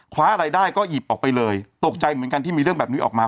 คว้าอะไรได้ก็หยิบออกไปเลยตกใจเหมือนกันที่มีเรื่องแบบนี้ออกมา